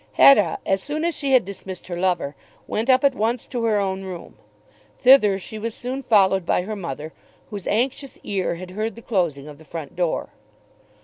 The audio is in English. Hetta, as soon as she had dismissed her lover, went up at once to her own room. Thither she was soon followed by her mother, whose anxious ear had heard the closing of the front door.